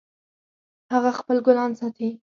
هغه خپل ګلان ساتي